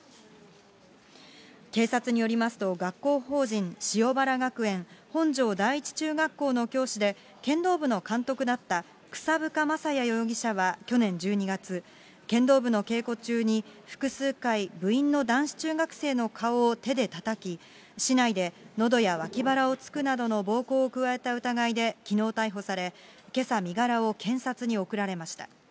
警察によりますと、学校法人塩原学園・本庄第一中学校の教師で、剣道部の監督だった草深将也容疑者は去年１２月、剣道部の稽古中に複数回、部員の男子中学生の顔を手でたたき、竹刀でのどや脇腹を突くなどの暴行を加えた疑いできのう逮捕され、けさ、身柄を検察に送られました。